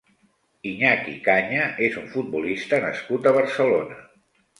Iñaki Caña és un futbolista nascut a Barcelona.